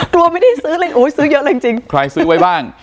กลัวไม่ได้ซื้อเลยโอ้ยซื้อเยอะเลยจริงจริงใครซื้อไว้บ้าง